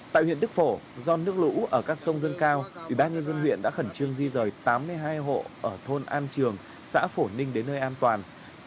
tại huyện đức phổ do nước lũ ở các sông dân cao ubnd huyện đã khẩn trương di rời tám mươi hai hộ ở thôn an trường xã phổ ninh đến nơi an toàn